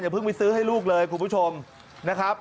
เพิ่งไปซื้อให้ลูกเลยคุณผู้ชมนะครับ